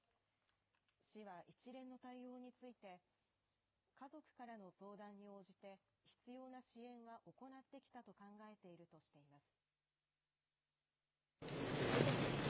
市は一連の対応について、家族からの相談に応じて、必要な支援は行ってきたと考えているとしています。